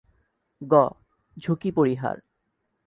গ. ঝুঁকি পরিহার